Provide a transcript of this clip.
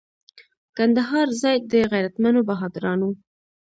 کندهار ځای د غیرتمنو بهادرانو.